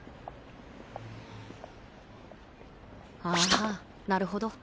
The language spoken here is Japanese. ああなるほど。